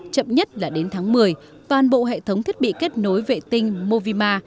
chậm nhất là đến tháng một mươi toàn bộ hệ thống thiết bị kết nối vệ tinh movima